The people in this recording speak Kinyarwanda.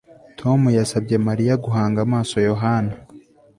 Tom yasabye Mariya guhanga amaso Yohana